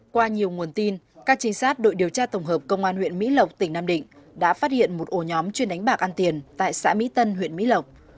qua nhiều nguồn tin các trinh sát đội điều tra tổng hợp công an huyện mỹ lộc tỉnh nam định đã phát hiện một ổ nhóm chuyên đánh bạc ăn tiền tại xã mỹ tân huyện mỹ lộc